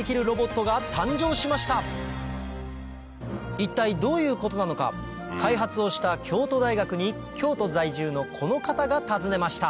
一体どういうことなのか開発をした京都大学に京都在住のこの方が訪ねました